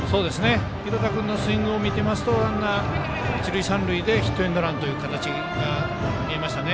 廣田君のスイングを見ているとランナー、一塁三塁でヒットエンドランという形が見えました。